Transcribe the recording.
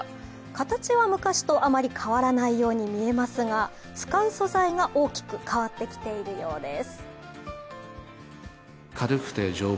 形は昔とあまり変わらないように見えますが、使う素材が大きく変わってきているようです。